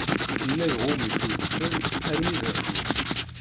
Yella iɣumm-it udfel armi d afud.